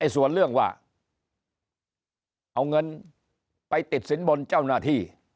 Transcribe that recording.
ส่วนเรื่องว่าเอาเงินไปติดสินบนเจ้าหน้าที่